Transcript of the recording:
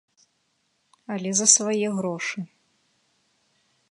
Але за свае грошы.